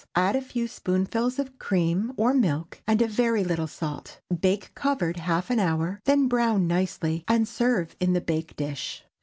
Add a few spoonfuls of cream or milk, and a very little salt. Bake covered half an hour, then brown nicely, and serve in the bake dish.